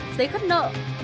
giấy khất nợ